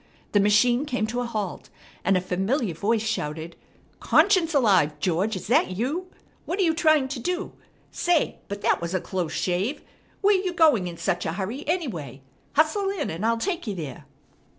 The machine came to a halt, and a familiar voice shouted: "Conscience alive, George, is that you? What are you trying to do? Say, but that was a close shave! Where you going in such a hurry, anyway? Hustle in, and I'll take you there."